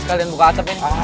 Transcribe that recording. kalian buka atapnya